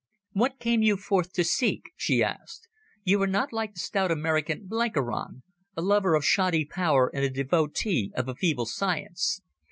"What came you forth to seek?" she asked. "You are not like the stout American Blenkiron, a lover of shoddy power and a devotee of a feeble science.